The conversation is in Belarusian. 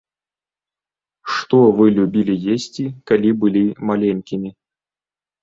Што вы любілі есці, калі былі маленькімі?